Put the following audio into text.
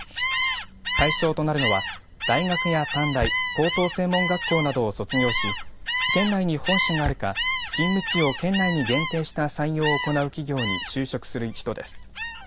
対象となるのは大学や短大高等専門学校などを卒業し県内に本社があるか勤務地を県内に限定した採用を行う企業に就職する人です。